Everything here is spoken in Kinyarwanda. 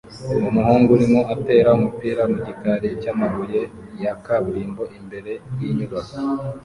Umuhungu arimo atera umupira mu gikari cyamabuye ya kaburimbo imbere yinyubako